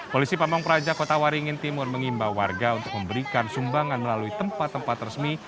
polisi pamung praja kota waringin timur mengimbau warga untuk memberikan sumbangan melalui tempat tempat resmi